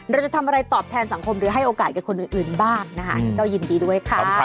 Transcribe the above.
เราจะทำอะไรตอบแทนสังคมหรือให้โอกาสแก่คนอื่นบ้างนะคะ